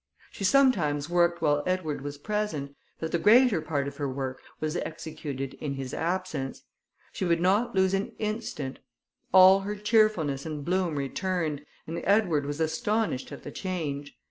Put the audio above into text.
She sometimes worked while Edward was present, but the greater part of her work was executed in his absence. She would not lose an instant. All her cheerfulness and bloom returned, and Edward was astonished at the change.